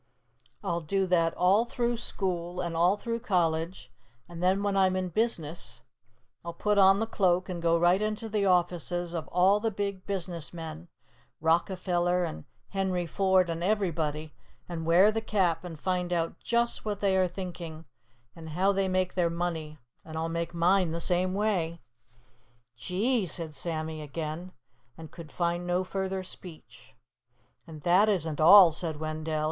I'll do that all through school and all through college, and then when I'm in business, I'll put on the Cloak and go right into the offices of all the big business men, Rockefeller and Henry Ford and everybody, and wear the Cap and find out just what they are thinking and how they make their money, and I'll make mine the same way." "Gee!" said Sammy again and could find no further speech. [Illustration: BEFORE THE BOYS' TERRIFIED VISION STOOD A HORRIBLE DEMON] "And that isn't all," said Wendell.